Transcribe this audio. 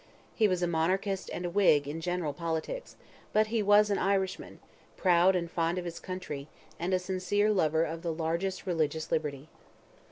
He was a Monarchist and a Whig in general politics; but he was an Irishman, proud and fond of his country, and a sincere lover of the largest religious liberty.